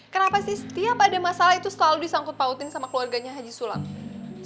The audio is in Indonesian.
kenapa sih setiap ada masalah itu selalu disangkut pautin sama keluarganya haji sulam